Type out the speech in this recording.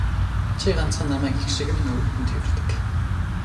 Чи ганцхан намайг эх шиг минь өрөвдөн тэвэрдэг.